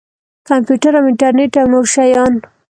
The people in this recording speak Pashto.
کمپیوټر او انټرنټ او نور شیان.